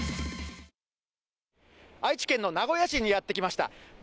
愛知県の名古屋市にやって来ました。